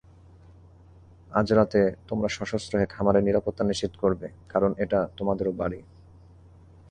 আজরাতে, তোমরা সশস্ত্র হয়ে খামারের নিরাপত্তা নিশ্চিত করবে, কারণ এটা তোমাদেরও বাড়ি।